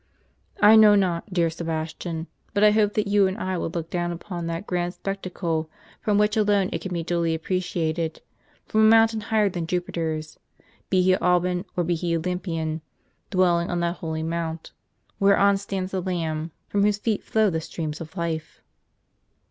I know not, dear Sebastian, but I hope that you and I will look down upon that grand spec tacle, from where alone it can be duly appreciated, from a mountain higher than Jupiter's, be he Alban or be he Olym pian,— dwelling on that holy mount, whereon stands the Lamb, from whose feet flow the streams of life."